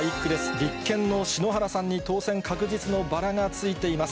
立憲の篠原さんに当選確実のバラがついています。